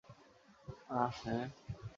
আহ, হ্যাঁ।